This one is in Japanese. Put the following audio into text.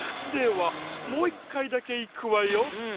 ではもういっかいだけいくわよ。